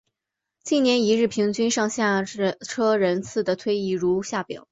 近年一日平均上下车人次的推移如下表。